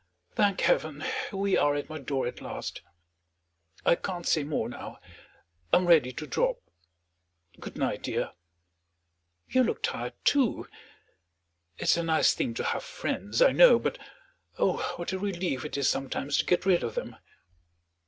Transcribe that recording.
Thank Heaven, here we are at my door at last! I can't say more now; I'm ready to drop. Good night, dear; you look tired, too. It's a nice thing to have friends, I know; but, oh, what a relief it is sometimes to get rid of them!"